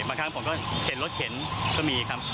บางครั้งผมก็เข็นรถเข็นก็มีครับ